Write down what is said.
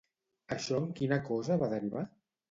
Això en quina cosa va derivar?